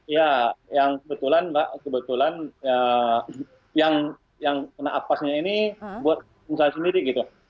ya yang kebetulan mbak kebetulan yang kena apasnya ini buat saya sendiri gitu